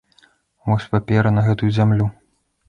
Вось папера на гэтую зямлю.